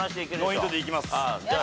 ノーヒントでいきます。